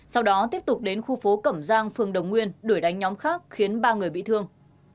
sau đó tiếp tục đến khu phố cẩm giang phường đồng nguyên đuổi đánh nhóm khác khiến ba người bị thương